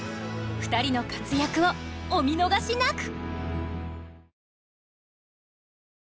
２人の活躍をお見逃しなく！